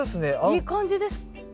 いい感じです。